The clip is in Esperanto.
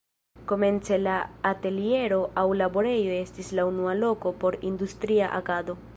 Komence la ateliero aŭ laborejo estis la unua loko por industria agado.